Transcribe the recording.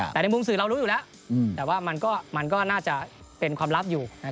แต่ในมุมสื่อเรารู้อยู่แล้วแต่ว่ามันก็น่าจะเป็นความลับอยู่